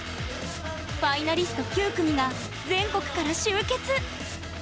ファイナリスト９組が全国から集結！